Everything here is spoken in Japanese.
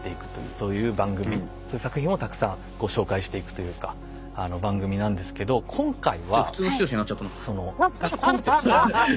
そういう番組そういう作品をたくさんこう紹介していくというか番組なんですけど今回はコンテストなんですね。